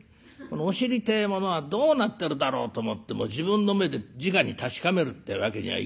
お尻ってえものはどうなってるだろうと思っても自分の目でじかに確かめるってわけにはいかない場所ですね。